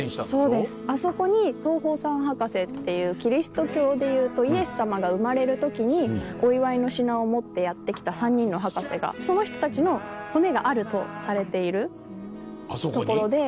そうですあそこに東方三博士っていうキリスト教でいうとイエスさまが生まれる時にお祝いの品を持ってやって来た３人の博士がその人たちの骨があるとされている所で。